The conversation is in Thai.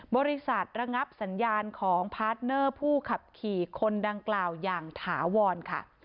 ระงับสัญญาณของพาร์ทเนอร์ผู้ขับขี่คนดังกล่าวอย่างถาวรค่ะ